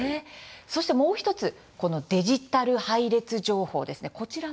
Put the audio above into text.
そしてもう１つデジタル配列情報ですね